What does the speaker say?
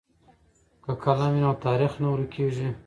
که قلم وي نو تاریخ نه ورکېږي.